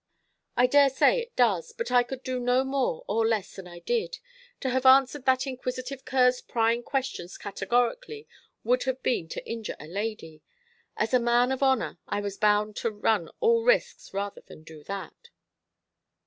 "I daresay it does. But I could not do more or less than I did. To have answered that inquisitive cur's prying questions categorically would have been to injure a lady. As a man of honour, I was bound to run all risks rather than do that."